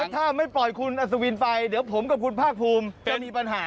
ถ้าไม่ปล่อยคุณอัศวินไปเดี๋ยวผมกับคุณภาคภูมิจะมีปัญหา